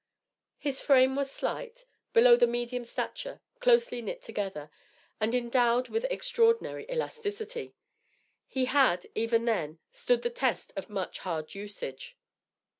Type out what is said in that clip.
His frame was slight, below the medium stature, closely knit together, and endowed with extraordinary elasticity. He had, even then, stood the test of much hard usage.